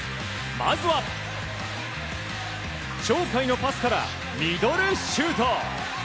まずは、鳥海のパスからミドルシュート。